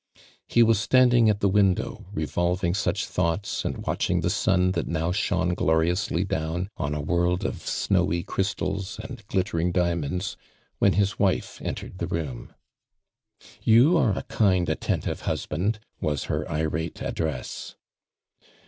He was standing at the window, revolving such thoughts and watch ing the sun that now shone gloriously down on a world of snowy crystals and glittering diamonds, when his wife entered the room. " You area kind attentive husband I" was lier irate address.